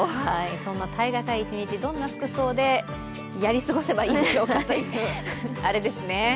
そんな耐えがたい一日どんな服装でやり過ごせばいいんでしょうかというあれですね。